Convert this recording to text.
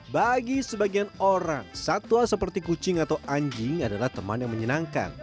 bagi sebagian orang satwa seperti kucing atau anjing adalah teman yang menyenangkan